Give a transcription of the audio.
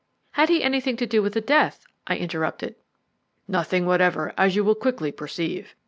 "Had he anything to do with the death?" I interrupted. "Nothing whatever, as you will quickly perceive.